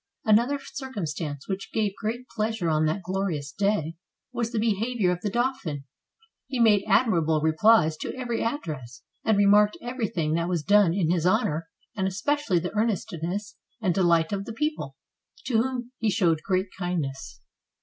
Another circumstance, which gave great pleasure on that glorious day, was the behavior of the dauphin. He made admirable replies to every address, and remarked everything that was done in his honor, and especially the earnestness and delight of the people, to whom he showed great kindness.